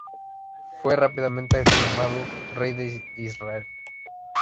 Fue rápidamente aclamado rey de Israel.